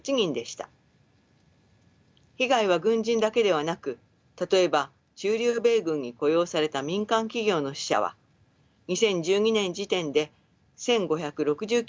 被害は軍人だけではなく例えば駐留米軍に雇用された民間企業の死者は２０１２年時点で１，５６９人だったと発表されています。